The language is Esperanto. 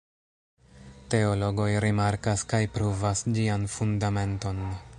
Teologoj rimarkas kaj pruvas ĝian fundamenton.